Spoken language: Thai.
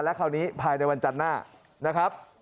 คราวนี้ภายในวันจันทร์หน้านะครับ